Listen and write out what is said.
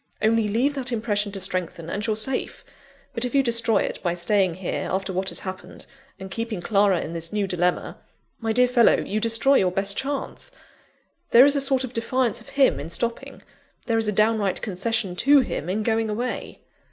Only leave that impression to strengthen, and you're safe. But if you destroy it by staying here, after what has happened, and keeping Clara in this new dilemma my dear fellow, you destroy your best chance! There is a sort of defiance of him in stopping; there is a downright concession to him in going away."